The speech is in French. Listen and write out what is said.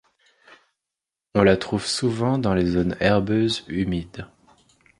On la trouve souvent dans les zones herbeuses humides.